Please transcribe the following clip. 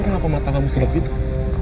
kenapa mata kamu seret gitu